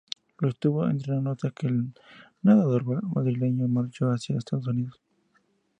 Lo estuvo entrenando hasta que el nadador madrileño marchó hacia Estados Unidos.